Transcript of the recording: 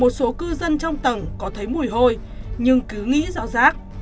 một số cư dân trong tầng có thấy mùi hôi nhưng cứ nghĩ rõ rác